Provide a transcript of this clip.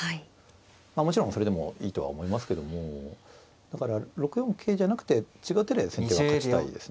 もちろんそれでもいいとは思いますけどもだから６四桂じゃなくて違う手で先手は勝ちたいですね。